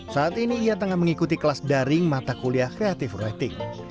saat ini ia tengah mengikuti kelas daring mata kuliah kreatif rating